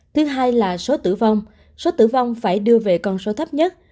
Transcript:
thứ hai là số tử vong số tử vong phải đưa về con số thấp nhất